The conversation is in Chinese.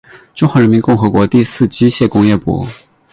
中华人民共和国第四机械工业部。